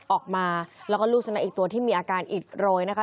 ออกมาแล้วก็ลูกสุนัขอีกตัวที่มีอาการอิดโรยนะคะ